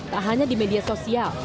tak hanya di media sosial